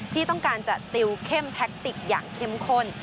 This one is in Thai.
ที่ต้องการจะติวเข้มแท็กติกอย่างเข้มข้น